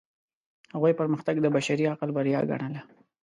هغوی پرمختګ د بشري عقل بریا ګڼله.